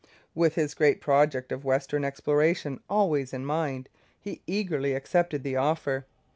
With his great project of western exploration always in mind, he eagerly accepted the offer.